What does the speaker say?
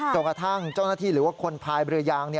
กระทั่งเจ้าหน้าที่หรือว่าคนพายเรือยาง